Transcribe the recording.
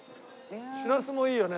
しらすもいいよね。